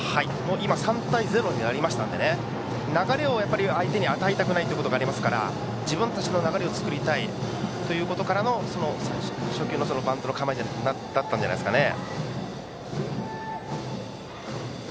今、３対０になったので流れを相手に与えたくないということがありますから、自分たちの流れを作りたいということからの初球のバントの構えだったんじゃないでしょうか。